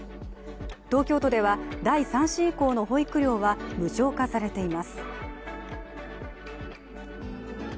東京都では、第３子以降の保育料は無償化されています。